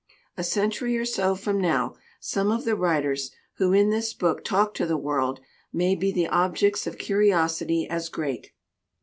A cen tury or so from now, some of the writers who in this book talk to the world may be the objects of curiosity as great.